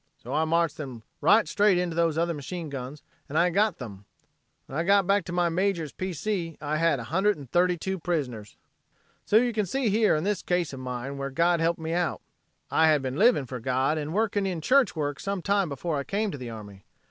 So I marched them right straight into those other machine guns, and I got them. When I got back to my Major's P. C. I had 132 prisoners. "So you can see here in this case of mine where God helped me out. I had been living for God and working in church work sometime before I came to the army.